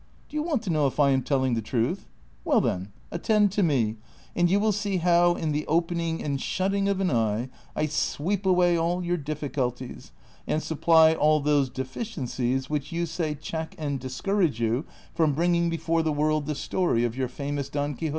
Do you want to know if I am telling the truth ? Well, then, attend to me, and you will see how, in the opening ami shutting of an eye, I sweep away all your difficulties, and supply all those deficiencies which you say check and dis courage you from bringing l)efore the world the story of your famous Don Quixote, the light and mirror of all knight errantry."